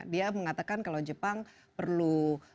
dia mengatakan kalau jepang perlu